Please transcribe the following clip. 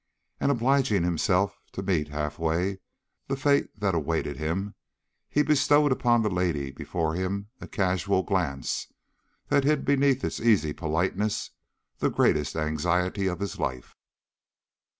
And obliging himself to meet half way the fate that awaited him, he bestowed upon the lady before him a casual glance that hid beneath its easy politeness the greatest anxiety of his life.